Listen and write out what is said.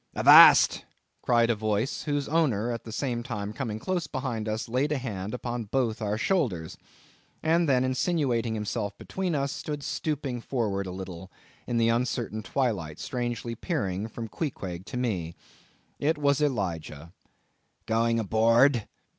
"Avast!" cried a voice, whose owner at the same time coming close behind us, laid a hand upon both our shoulders, and then insinuating himself between us, stood stooping forward a little, in the uncertain twilight, strangely peering from Queequeg to me. It was Elijah. "Going aboard?"